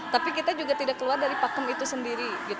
tapi kita juga tidak keluar dari pakem itu sendiri